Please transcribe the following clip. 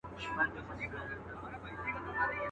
نه جوړ کړی کفن کښ پر چا ماتم وو.